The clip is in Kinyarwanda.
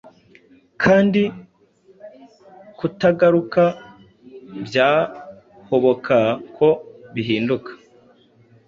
Kandi kutagaruka byahoboka ko bihinduka